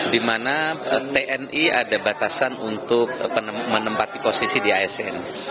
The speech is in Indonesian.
di mana tni ada batasan untuk menempati posisi di asn